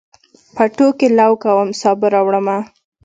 پټو کې لو کوم، سابه راوړمه